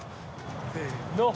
せの。